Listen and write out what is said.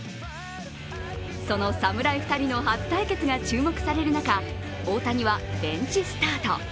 その侍２人の初対決が注目される中、大谷はベンチスタート。